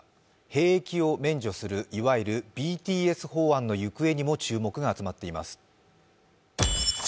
兵役を免除する、いわゆるＢＴＳ法案の行方にも注目が集まっています。